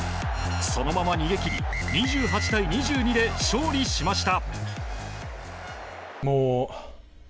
そのまま逃げ切り２８対２２で勝利しました。